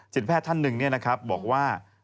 จิตแพทย์ท่านหนึ่งนะครับบอกว่า